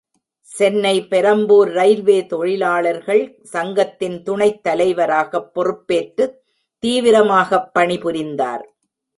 Chennai Perambur railway தொழிலாளர்கள் சங்கத்தின் துணைத் தலைவராகப் பொறுப்பேற்றுத் தீவிரமாகப் பணி புரிந்தார்.